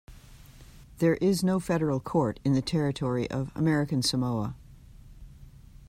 There is no federal court in the territory of American Samoa.